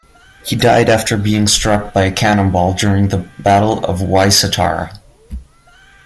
He died after being struck by a cannonball during the Battle of Wai Satara.